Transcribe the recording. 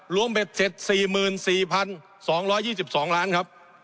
รวมเป็นเซ็ตสี่หมื่นสี่พันสองร้อยยี่สิบสองล้านครับ